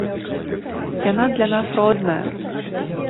Яна для нас родная.